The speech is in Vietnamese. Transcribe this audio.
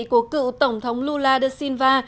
của cựu tổng thống lula da silva